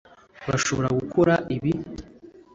urashobora gukora ibi